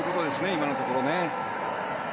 今のところ。